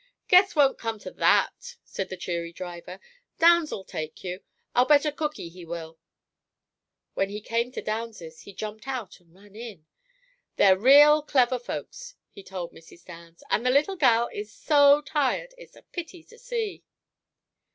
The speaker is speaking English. "Guess 't won't come to that," said the cheery driver. "Downs'll take you. I'll bet a cookie he will." When he came to "Downs's," he jumped out and ran in. "They're real clever folks," he told Mrs. Downs; "and the little gal is so tired, it's a pity to see."